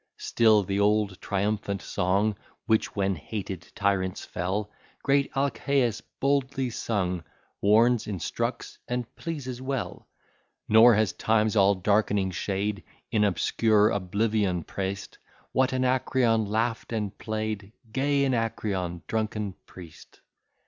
Still the old triumphant song, Which, when hated tyrants fell, Great Alcæus boldly sung, Warns, instructs, and pleases well. Nor has Time's all darkening shade In obscure oblivion press'd What Anacreon laugh'd and play'd; Gay Anacreon, drunken priest!